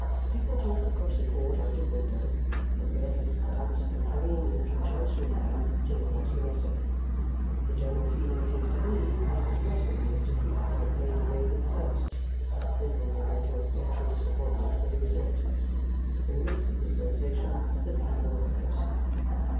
People talk across the court out of window, and bare headed scouts come hurrying in from Chancery Lane to know what's the matter. The general feeling seems to be that it's a blessing Mr. Krook warn't made away with first, mingled with a little natural disappointment that he was not. In the midst of this sensation, the beadle arrives.